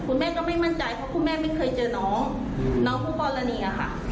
คุณแม่ก็ไม่มั่นใจเพราะคุณแม่ไม่เคยเจอน้องน้องคู่กรณีอะค่ะ